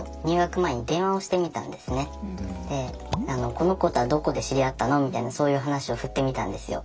この子とはどこで知り合ったのみたいなそういう話を振ってみたんですよ。